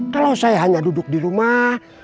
kalau saya hanya duduk di rumah